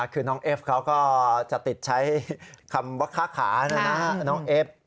คือน้องเอฟเขาก็จะติดใช้คำว่าค้านะฮะ